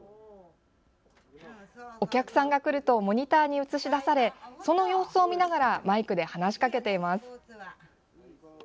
お客さんが来るとモニターに映し出されその様子を見ながらマイクで話しかけています。